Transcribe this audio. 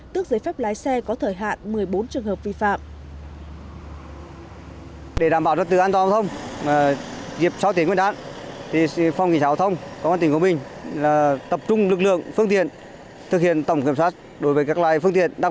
tước giấy phép lái xe có thời hạn một mươi bốn trường hợp vi phạm